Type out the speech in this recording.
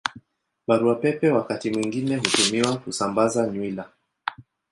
Barua Pepe wakati mwingine hutumiwa kusambaza nywila.